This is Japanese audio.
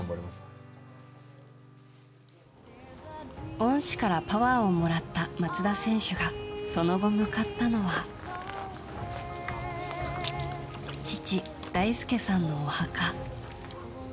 恩師からパワーをもらった松田選手がその後、向かったのは父・大輔さんのお墓。